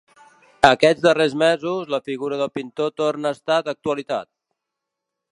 Aquests darrers mesos la figura del pintor torna a estar d’actualitat.